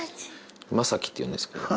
雅紀っていうんですけど。